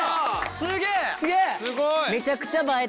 すげえ！